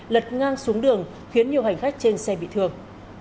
lật ngang xuống đường khiến nhiều hành khách trên xe bị thương